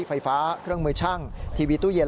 ไฟฟ้าเครื่องมือช่างทีวีตู้เย็น